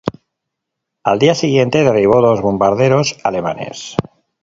Al día siguiente derribó dos bombarderos alemanes.